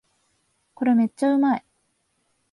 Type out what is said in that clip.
これめっちゃうまい